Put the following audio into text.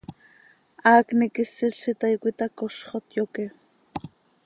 Haacni quisil z itaai, cöitacozxot, yoque.